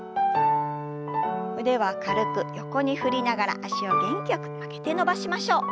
腕は軽く横に振りながら脚を元気よく曲げて伸ばしましょう。